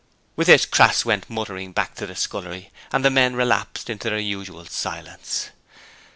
With this, Crass went muttering back to the scullery, and the men relapsed into their usual silence.